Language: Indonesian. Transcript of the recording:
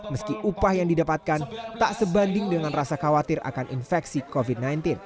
meski upah yang didapatkan tak sebanding dengan rasa khawatir akan infeksi covid sembilan belas